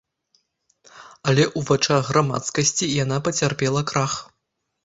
Але ў вачах грамадскасці яна пацярпела крах.